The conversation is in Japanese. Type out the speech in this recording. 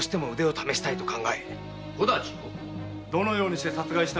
どのようにして殺した？